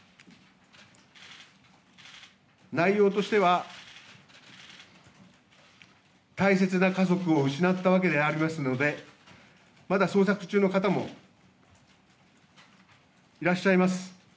内容としては、大切な家族を失ったわけでありますので、まだ捜索中の方もいらっしゃいます。